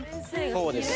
そうです。